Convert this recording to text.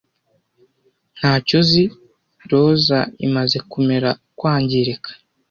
ntacyo uzi roza imaze kumera kwangirika